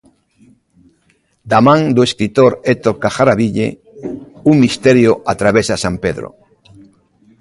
Da man do escritor Héctor Cajaraville, un misterio atravesa San Pedro.